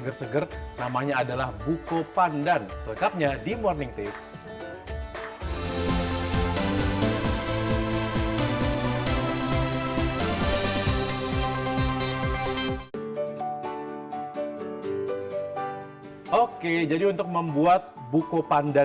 seger namanya adalah buko pandan lengkapnya di morning tips oke jadi untuk membuat buko pandan